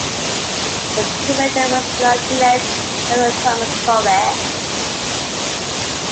Its commander was Lieutenant General Thomas Corbett.